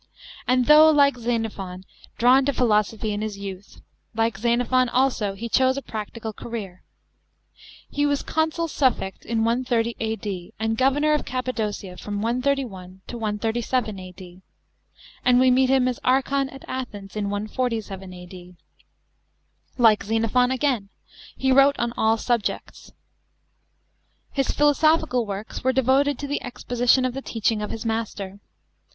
And though, like Xenophon, drawn to philosophy in his youth, like Xenophon also he chose a practical career. He was consul suffect in 130 A.D., and governor of Cappa docia from 131 to 137 A.D. ; and we meet him as archon at Athens in 147 A.D. Like Xenophon again, he wrote on all subjects. (1) His philosophical works were devoted to the exposition of the teaching of his master.